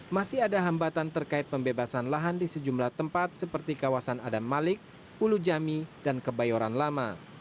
masih ada hambatan terkait pembebasan lahan di sejumlah tempat seperti kawasan adam malik ulu jami dan kebayoran lama